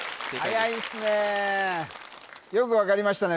はやいっすねよく分かりましたね